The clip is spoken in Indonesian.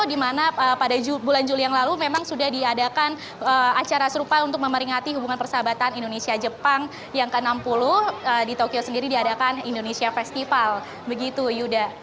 di mana pada bulan juli yang lalu memang sudah diadakan acara serupa untuk memeringati hubungan persahabatan indonesia jepang yang ke enam puluh di tokyo sendiri diadakan indonesia festival begitu yuda